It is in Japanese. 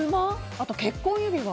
あと結婚指輪。